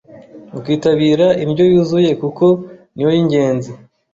mukitabira inryo yuzuye kuko niyo y’ingenzi